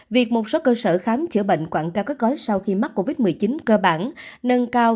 việc một số cơ sở khám chữa bệnh quảng ca các gói sau khi mắc covid một mươi chín cơ bản nâng cao